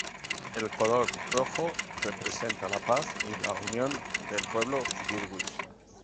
El color rojo representa la paz y la unión del pueblo kirguís.